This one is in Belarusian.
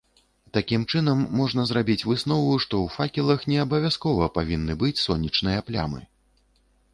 Такім чынам можна зрабіць выснову, што ў факелах не абавязкова павінны быць сонечныя плямы.